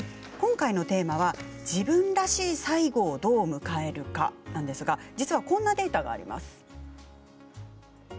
今回のテーマは自分らしい最期をどう迎えるかなんですが実はこんなデータがあります。